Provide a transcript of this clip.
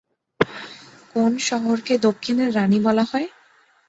কোন শহরকে দক্ষিণের রানি বলা হয়?